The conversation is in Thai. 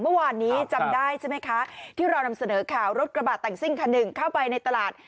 เมื่อวานนี้จำได้ใช่ไหมคะที่เรานำเสนอข่าวรถกระบะแต่งซิ่งคันหนึ่งเข้าไปในตลาด